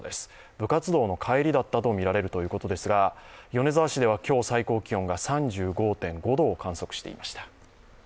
部活動の帰りだったとみられるということですが、米沢市では今日、最高気温が３５．５度を観測していました。